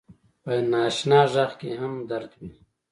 په ناآشنا غږ کې هم درد وي